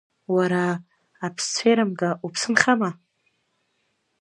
Уара, аԥсцәеирымга, уԥсы нхама?